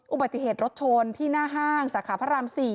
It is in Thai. อุบัติเหตุรถชนที่หน้าห้างสาขาพระราม๔